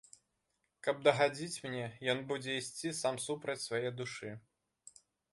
Каб дагадзіць мне, ён будзе ісці сам супраць свае душы.